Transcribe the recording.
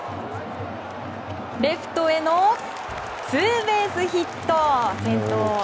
レフトへのツーベースヒット先頭を。